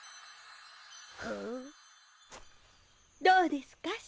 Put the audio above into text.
どうですか？